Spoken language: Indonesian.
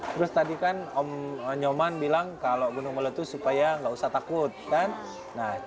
terus tadi kan om nyoman bilang kalau gunung meletus supaya nggak usah takut kan